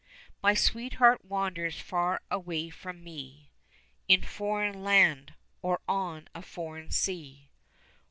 My sweetheart wanders far away from me, In foreign land or on a foreign sea.